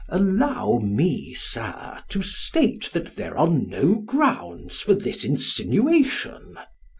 Allow me, Sir, to state that there are no grounds for this insinuation.